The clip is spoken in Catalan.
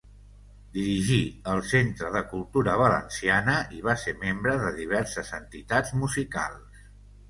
Dirigí el Centre de Cultura Valenciana i va ser membre de diverses entitats musicals.